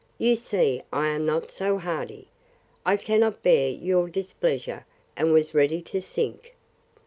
you see I am not so hardy! I cannot bear your displeasure! And was ready to sink.